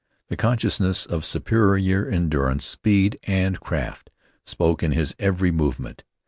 The consciousness of superior endurance, speed, and craft, spoke in his every movement.